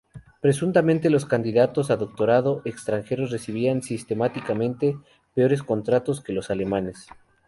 Presuntamente, los candidatos a doctorado extranjeros recibían sistemáticamente peores contratos que los alemanes.